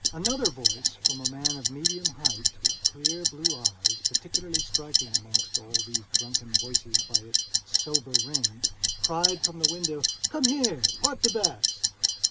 Another voice, from a man of medium height with clear blue eyes, particularly striking among all these drunken voices by its sober ring, cried from the window: "Come here; part the bets!"